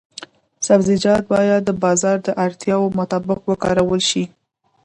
سبزیجات باید د بازار د اړتیاوو مطابق وکرل شي.